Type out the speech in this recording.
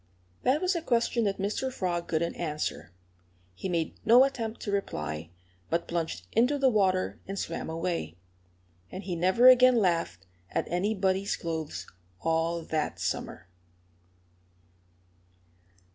That was a question that Mr. Frog couldn't answer. He made no attempt to reply, but plunged into the water and swam away. And he never again laughed at anybody's clothes all that summer.